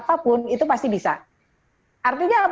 selain untuk paksec yang sudah dilihat kurang